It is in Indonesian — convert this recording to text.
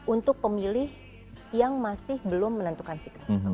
untuk pemilih yang masih belum menentukan sikap